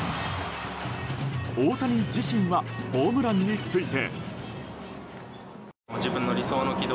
大谷自身はホームランについて。